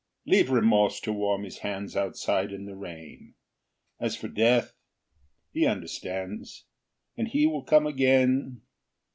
Leave Remorse to warm his hands Outside in the rain. As for Death, he understands, And he will come again.